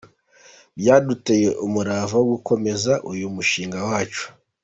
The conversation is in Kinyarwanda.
Byaduteye umurava wo gukomeza uyu mushinga wacu.